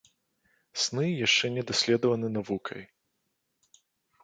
Сны яшчэ не даследаваны навукай.